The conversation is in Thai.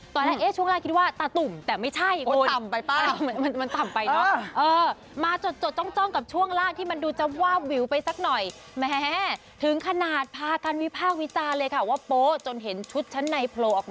ตอนแรกเอสช่วงล่างคิดว่าตาตุ่มแต่ไม่ใช่